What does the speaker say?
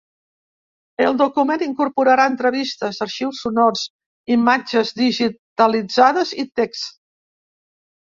El document incorporarà entrevistes, arxius sonors, imatges digitalitzades i text.